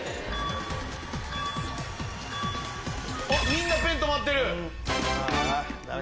みんなペン止まってる！